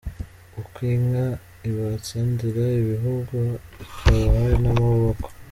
Uko inka ibatsindira ibihugu ,ikabaha n’amaboko.